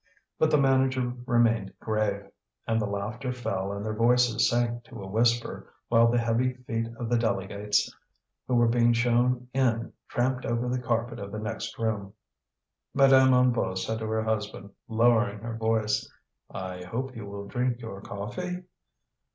But the manager remained grave; and the laughter fell and their voices sank to a whisper, while the heavy feet of the delegates who were being shown in tramped over the carpet of the next room. Madame Hennebeau said to her husband, lowering her voice: "I hope you will drink your coffee."